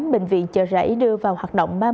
bệnh viện chợ rẫy đưa vào hoạt động